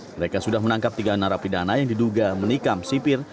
mereka sudah menangkap tiga narapidana yang diduga menikam sipir